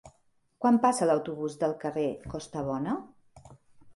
Quan passa l'autobús pel carrer Costabona?